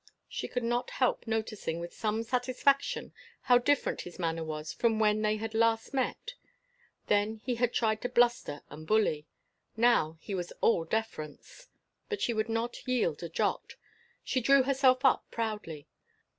She could not help noticing with some satisfaction how different his manner was from when they had last met. Then he had tried to bluster and bully; now he was all deference. But she would not yield a jot. She drew herself up proudly.